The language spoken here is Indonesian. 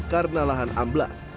karena lahan amblas